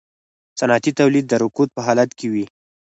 صنعتي تولید د رکود په حالت کې وي